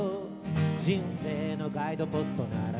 「人生のガイドポストなら」